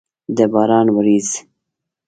د باران ورېځ!